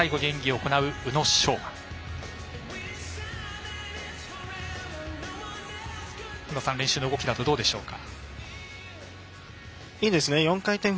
本田さん、練習の動きなどどうでしょうか。